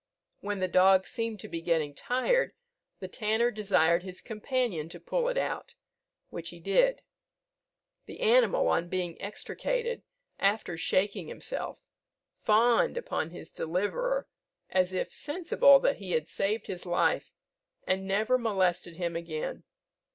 When the dog seemed to be getting tired, the tanner desired his companion to pull it out, which he did. The animal, on being extricated, after shaking himself, fawned upon his deliverer, as if sensible that he had saved his life, and never molested him again.